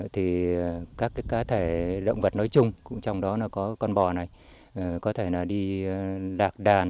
thì các cá thể động vật nói chung trong đó có con bò này có thể đi đạc đàn